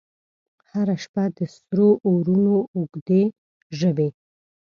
هره شپه د سرو اورونو، اوږدي ژبې،